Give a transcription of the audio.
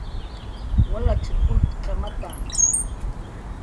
Walachn ujtqamata